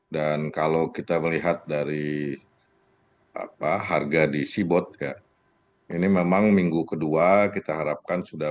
dan kalau kita melihat dari harga di sibot ini memang minggu kedua kita harapkan sudah